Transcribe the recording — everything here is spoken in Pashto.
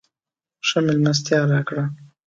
ښه مېلمستیا راکړه.